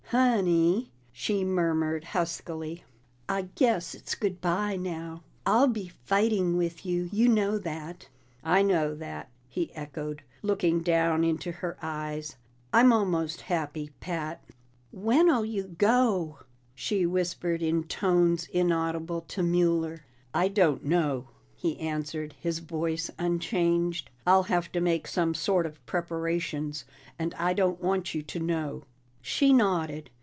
"Honey," she murmured huskily, "I guess it's good bye now. I'll be fighting with you; you know that." "I know that," he echoed, looking down into her eyes. "I'm almost happy, Pat." "When'll you go?" she whispered in tones inaudible to Mueller. "I don't know," he answered, his voice unchanged. "I'll have to make some sort of preparations and I don't want you to know." She nodded.